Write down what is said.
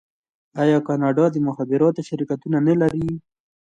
آیا کاناډا د مخابراتو شرکتونه نلري؟